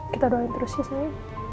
kita doain terus ya sayang